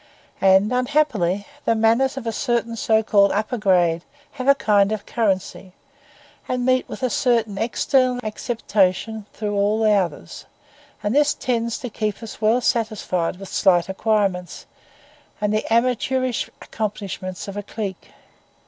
And, unhappily, the manners of a certain so called upper grade have a kind of currency, and meet with a certain external acceptation throughout all the others, and this tends to keep us well satisfied with slight acquirements and the amateurish accomplishments of a clique.